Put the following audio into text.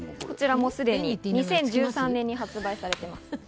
こちらもすでに２０１３年に発売されています。